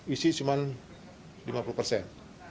isi cuma lima puluh persen